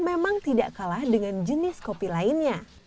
memang tidak kalah dengan jenis kopi lainnya